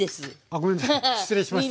ごめんなさい失礼しました。